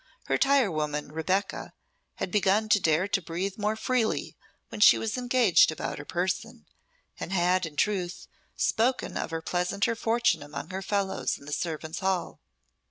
Her tirewoman, Rebecca, had begun to dare to breathe more freely when she was engaged about her person, and had, in truth, spoken of her pleasanter fortune among her fellows in the servants' hall.